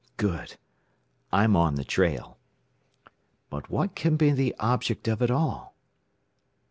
"Good! I'm on the trail. "But what can be the object of it all?"